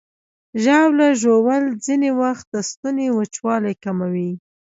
ژاوله ژوول ځینې وخت د ستوني وچوالی کموي.